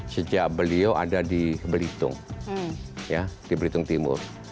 sejak beliau ada di belitung di belitung timur